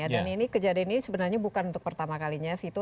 dan ini kejadian ini sebenarnya bukan untuk pertama kalinya vito